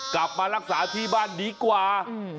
กลับมารักษาที่บ้านดีกว่า